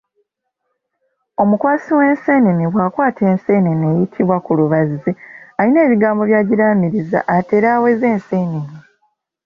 Omukwasi w'enseenene bw'akwata enseenene eyitibwa kulubazzi alina ebigambo byagiraamiriza atere aweze enseenene.